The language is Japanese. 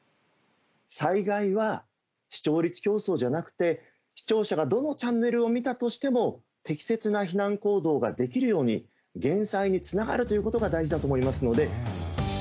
災害は視聴率競争じゃなくて、視聴者がどのチャンネルを見たとしても適切な避難行動ができるように減災につながるということが大事だと思いますので。